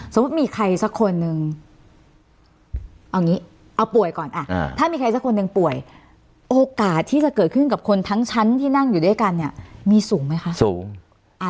มีใครสักคนนึงเอางี้เอาป่วยก่อนถ้ามีใครสักคนหนึ่งป่วยโอกาสที่จะเกิดขึ้นกับคนทั้งชั้นที่นั่งอยู่ด้วยกันเนี่ยมีสูงไหมคะสูง